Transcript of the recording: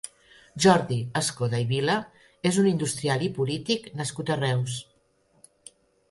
Jordi Escoda i Vilà és un industrial i polític nascut a Reus.